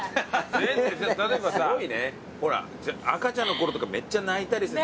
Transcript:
例えばさほら赤ちゃんのころとかめっちゃ泣いたりして。